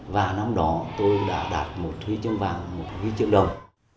và năm đó tôi đã đạt một huy chương vàng một huy chương đồng